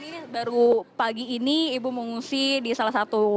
ini baru pagi ini ibu mengungsi di salah satu